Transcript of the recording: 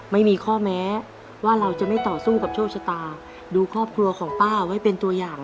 ไม่มีข้อแม้ว่าเราจะไม่ต่อสู้กับโชคชะตาดูครอบครัวของป้าไว้เป็นตัวอย่าง